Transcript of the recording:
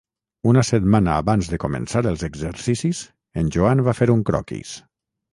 ...una setmana abans de començar els exercicis, en Joan va fer un croquis.